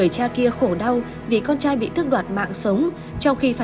chịu đi rồi đến giờ nó mất hồi